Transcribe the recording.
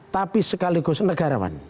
tapi sekaligus negarawan